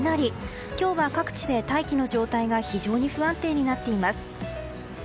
今日は各地で大気の状態が非常に不安定になっています。